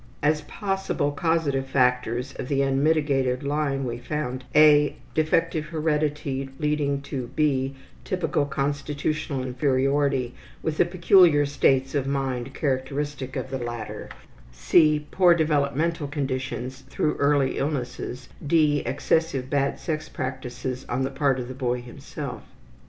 As possible causative factors of the unmitigated lying we found (a) defective heredity leading to (b) typical constitutional inferiority with the peculiar states of mind characteristic of the latter, (c) poor developmental conditions through early illnesses; (d) excessive bad sex practices on the part of the boy himself.